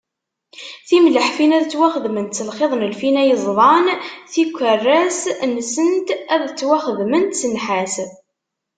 Timleḥfin ad ttwaxedment s lxiḍ n lfina yeẓdan, tikerras-nsent ad ttwaxedment s nnḥas.